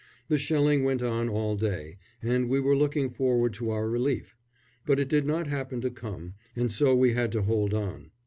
The shelling went on all day, and we were looking forward to our relief; but it did not happen to come, and so we had to hold on.